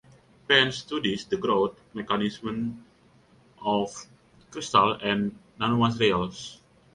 Penn studies the growth mechanisms of crystals and nanomaterials.